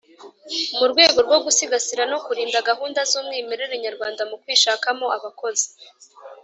Mu rwego rwo gusigasira no kurinda gahunda zumwimerere nyarwanda mu kwishakamo abakozi